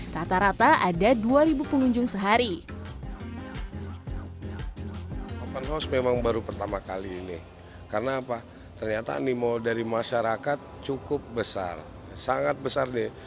rata rata ada dua ribu pengunjung sehari